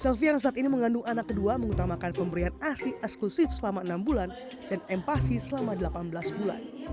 sebagai ibu selfie yang saat ini mengandung anak kedua mengutamakan pemberian asli eksklusif selama enam bulan dan empasi selama delapan belas bulan